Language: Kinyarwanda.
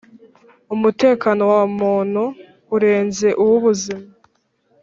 Umutekano wa muntu urenze uw ubuzima